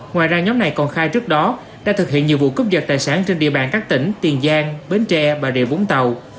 ngoài ra nhóm này còn khai trước đó đã thực hiện nhiều vụ cướp dật tài sản trên địa bàn các tỉnh tiền giang bến tre bà rịa vũng tàu